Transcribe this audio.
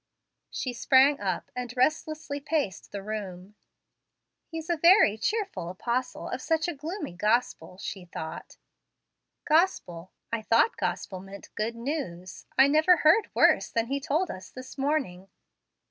She sprang up, and restlessly paced the room. "He's a very cheerful apostle of such a gloomy gospel," she thought. "Gospel! I thought 'gospel' meant 'good news.' I never heard worse than he told us this morning.